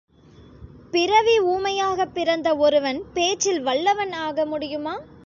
பிறவி ஊமையாகப் பிறந்த ஒருவன் பேச்சில் வல்லவன் ஆக முடியுமா?